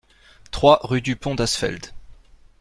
trois rue du Pont d'Asfeld